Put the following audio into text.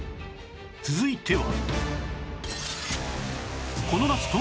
続いては